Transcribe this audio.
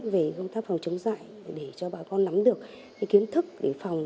về công tác phòng chống dạy để cho bà con nắm được kiến thức để phòng